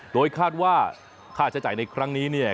โดยคาดว่าค่าใช้จ่ายในครั้งนี้เนี่ย